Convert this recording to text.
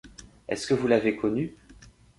Est-ce que vous l’avez connu ?